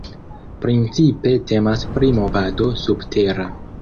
Principe temas pri movado "subtera".